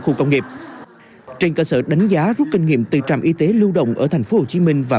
khu công nghiệp trên cơ sở đánh giá rút kinh nghiệm từ trạm y tế lưu động ở thành phố hồ chí minh và